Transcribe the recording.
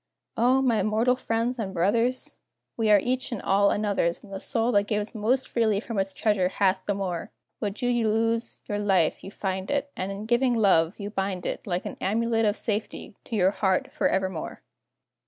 O, my mortal friends and brothers! We are each and all another's, And the soul that gives most freely from its treasure hath the more; Would you lose your life, you find it, And in giving love, you bind it Like an amulet of safety, to your heart forevermore.